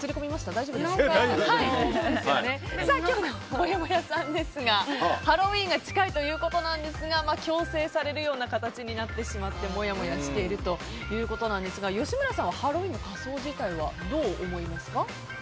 今日のもやもやさんですがハロウィーンが近いということですが強制されるような形になってしまってもやもやしているということですが吉村さんはハロウィーンの仮装自体はどう思いますか？